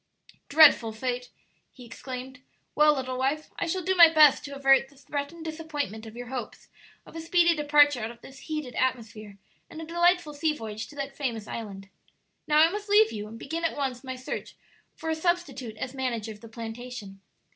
"Dreadful fate!" he exclaimed. "Well, little wife, I shall do my best to avert the threatened disappointment of your hopes of a speedy departure out of this heated atmosphere and a delightful sea voyage to that famous island. Now, I must leave you and begin at once my search for a substitute as manager of the plantation."